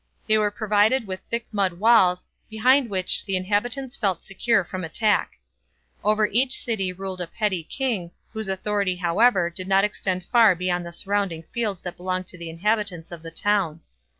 They were provided with thick mud walls, behind which the inhabitants felt secure from attack. Over each city ruled a petty king, whose authority, however, did not extend far beyond the surrounding fields that belonged to the inhabitants of the town.